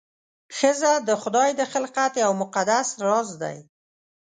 ښځه د خدای د خلقت یو مقدس راز دی.